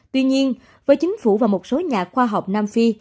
tuy nhiên với chính phủ và một số nhà khoa học nam phi